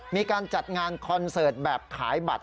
มีการจัดงานคอนเสิร์ตแบบขายบัตร